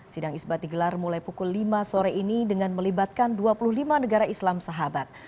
sidang isbat digelar mulai pukul lima sore ini dengan melibatkan dua puluh lima negara islam sahabat